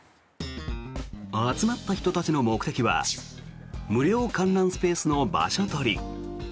集まった人たちの目的は無料観覧スペースの場所取り。